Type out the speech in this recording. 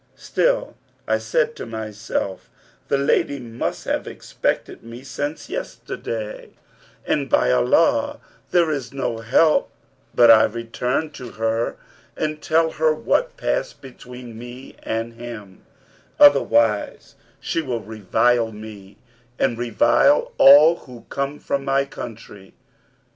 Still I said to myself, 'The lady must have expected me since yesterday; and by Allah there is no help but I return to her and tell her what passed between me and him: otherwise she will revile me and revile all who come from my country.'